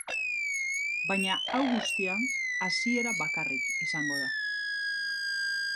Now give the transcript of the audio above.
Baina hau guztia hasiera bakarrik izango da.